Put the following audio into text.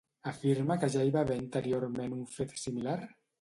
Afirma que ja hi va haver anteriorment un fet similar?